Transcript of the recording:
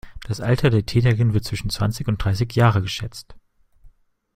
Das Alter der Täterin wird zwischen zwanzig und dreißig Jahre geschätzt.